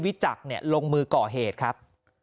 จักษ์ลงมือก่อเหตุครับ